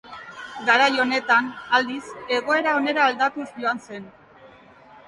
Garai honetan, aldiz, egoera onera aldatuz joan zen.